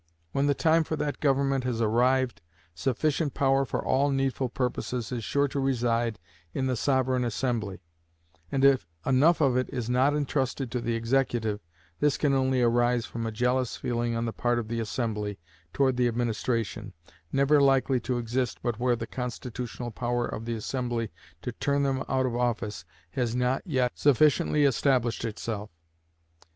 When the time for that government has arrived, sufficient power for all needful purposes is sure to reside in the sovereign assembly; and if enough of it is not intrusted to the executive, this can only arise from a jealous feeling on the part of the assembly toward the administration, never likely to exist but where the constitutional power of the assembly to turn them out of office has not yet sufficiently established itself.